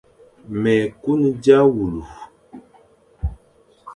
Mé kun dia wule,